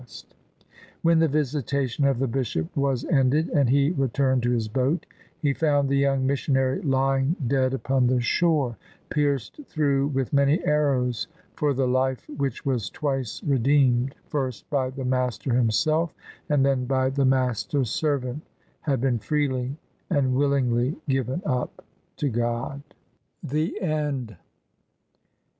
OF ISABEL CARNABY When the visitation of the Bishop was ended and he returned to his boat, he found the young missionary lying dead upon the shore, pierced through with many arrows: for the life which was twice redeemed — first by the Master Himself and then by the Master's servant — had been freely and willingly given up to God.